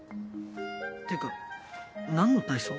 ってか何の体操？